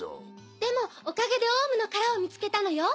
でもおかげで王蟲の殻を見つけたのよ。